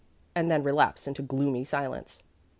and then relapse into gloomy silence.